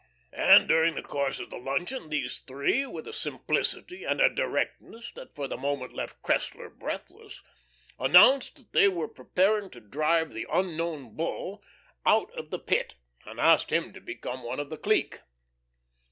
And during the course of the luncheon these three, with a simplicity and a directness that for the moment left Cressler breathless, announced that they were preparing to drive the Unknown Bull out of the Pit, and asked him to become one of the clique.